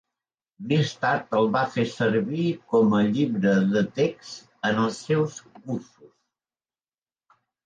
Més tard el va fer servir com a llibre de text en els seus cursos.